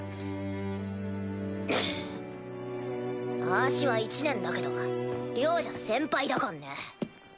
あしは１年だけど寮じゃ先輩だかんね。